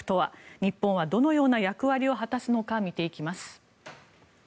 日本はどのような役割を果たすのか見ていきます。